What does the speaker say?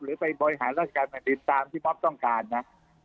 หรือไปให้ราชการติดตามที่บ๊อบต้องการนะ